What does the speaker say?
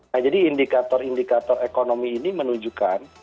nah jadi indikator indikator ekonomi ini menunjukkan